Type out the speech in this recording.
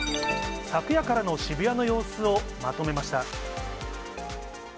昨夜からの渋谷の様子をまとめました。